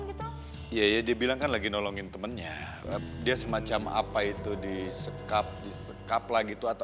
gitu iya dia bilang kan lagi nolongin temennya dia semacam apa itu disekap disekap lagi tuh